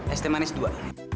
es teh manis dua